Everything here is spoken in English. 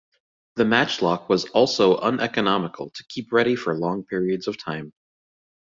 The matchlock was also uneconomical to keep ready for long periods of time.